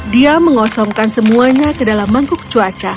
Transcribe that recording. dia mengosongkan semuanya ke dalam mangkuk cuaca